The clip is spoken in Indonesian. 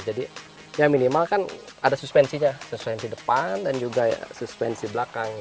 jadi yang minimal kan ada suspensinya suspensi depan dan juga suspensi belakang